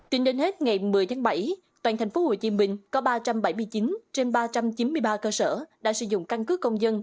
tính đến hết ngày một mươi tháng bảy toàn thành phố hồ chí minh có ba trăm bảy mươi chín trên ba trăm chín mươi ba cơ sở đã sử dụng căn cứ công dân